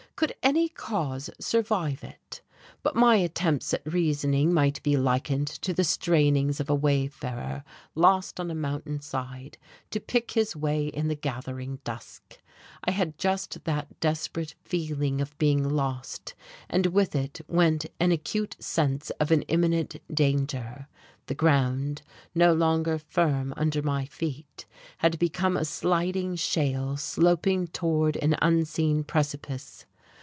Could any cause survive it? But my attempts at reasoning might be likened to the strainings of a wayfarer lost on a mountain side to pick his way in the gathering dusk. I had just that desperate feeling of being lost, and with it went an acute sense of an imminent danger; the ground, no longer firm under my feet, had become a sliding shale sloping toward an unseen precipice.